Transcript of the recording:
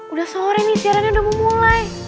udah sore nih siarannya udah mau mulai